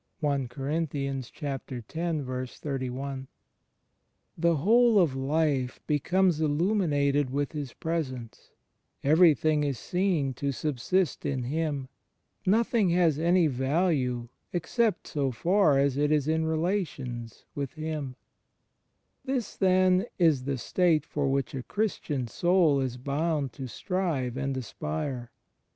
* The whole of life becomes illuminated with His Presence; ever3rthing is seen to subsist in Him: Nothing has any value except so far as it is in relations with Him. ... This, then, is the state for which a Christian soul is bound to strive and aspire.